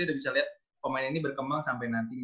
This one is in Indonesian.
kita bisa lihat pemain ini berkembang sampai nanti